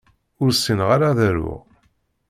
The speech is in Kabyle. Ur ssineɣ ara ad aruɣ.